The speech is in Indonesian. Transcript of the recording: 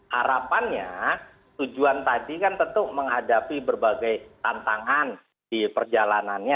harapannya tujuan tadi kan tentu menghadapi berbagai tantangan di perjalanannya